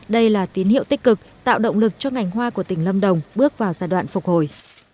đây là tín hiệu tích cực tạo động lực cho ngành hoa của tỉnh lâm đồng bước vào giai đoạn phục hồi